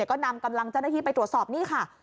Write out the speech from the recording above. ก็นำกำลังเจ้าหน้าที่ไปตรวจสอบนี่ค่ะ